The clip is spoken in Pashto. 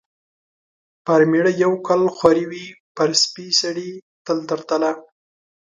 پر مېړه یو کال خواري وي، پر سپي سړي تل تر تله.